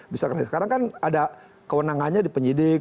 misalkan sekarang kan ada kewenangannya di penyidik